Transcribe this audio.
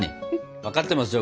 分かってますよ